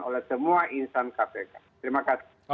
oleh semua insan kpk terima kasih